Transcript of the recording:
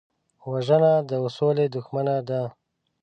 وژنه د سولې دښمنه ده